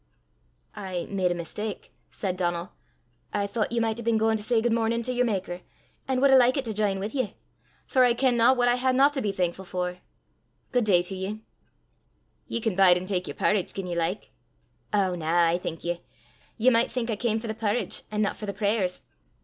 "I made a mistak," said Donal. "I thoucht ye micht hae been gaein' to say guid mornin' to yer makker, an' wad hae likit to j'in wi' ye; for I kenna what I haena to be thankfu' for. Guid day to ye." "Ye can bide an' tak yer parritch gien ye like." "Ow, na, I thank ye. Ye micht think I cam for the parritch, an' no for the prayers.